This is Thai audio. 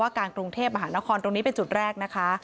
การกรุงเทพมหานครตรงนี้เป็นจุดแรกนะคะ